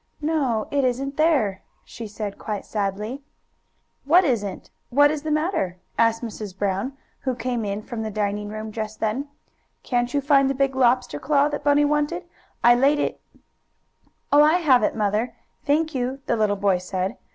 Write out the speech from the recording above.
"No, it isn't there," she said, quite sadly. "What isn't? What is the matter?" asked Mrs. Brown, who came in from the dining room just then. "Can't you find the big lobster claw that Bunny wanted? I laid it " "Oh, I have it, Mother, thank you," the little boy said.